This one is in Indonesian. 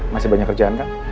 masih banyak kerjaan kan